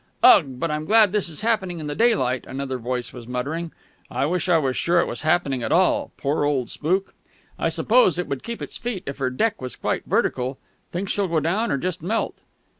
"Ugh! But I'm glad this happened in the daylight," another voice was muttering. "I wish I was sure it was happening at all.... Poor old spook!" "I suppose it would keep its feet if her deck was quite vertical. Think she'll go down, or just melt?"